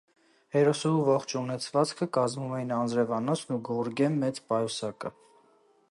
Հերոսուհու ողջ ունեցվածքը կազմում էին անձրևանոցն ու գորգե (գոբելենի) մեծ պայուսակը։